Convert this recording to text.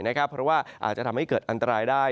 เพราะว่าอาจจะทำให้เกิดอันตรายได้